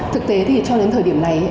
thực tế thì cho đến thời điểm này